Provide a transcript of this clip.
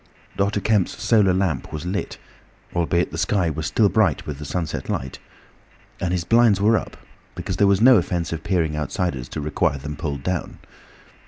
Dr. Kemp's solar lamp was lit, albeit the sky was still bright with the sunset light, and his blinds were up because there was no offence of peering outsiders to require them pulled down.